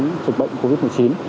dịch bệnh covid một mươi chín